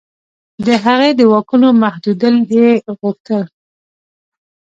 د هغې د واکونو محدودېدل یې غوښتل.